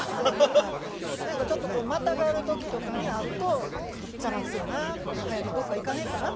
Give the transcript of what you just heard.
何かちょっとまたがる時とかにあると「邪魔くせえな。早くどっかいかねえかな」